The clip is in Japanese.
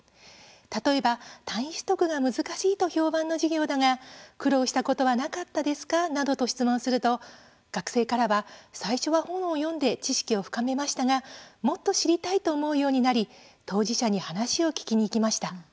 例えば、単位取得が難しいと評判の授業だが苦労したことはなかったですか？などと質問すると、学生からは最初は本を読んで知識を深めましたがもっと知りたいと思うようになり当事者に話を聞きにいきました。